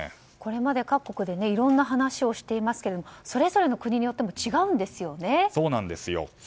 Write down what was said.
これまで各国でいろんな話をしていますがそれぞれの国によっても違うんですよね。